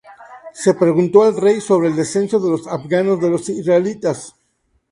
Se preguntó al rey sobre el descenso de los afganos de los israelitas.